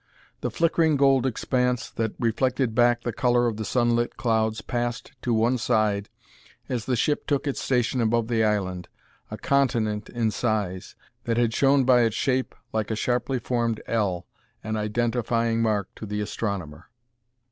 The flickering gold expanse that reflected back the color of the sunlit clouds passed to one side as the ship took its station above the island, a continent in size, that had shown by its shape like a sharply formed "L" an identifying mark to the astronomer.